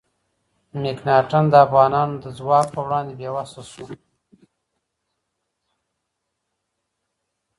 مکناتن د افغانانو د ځواک په وړاندې بې وسه شو.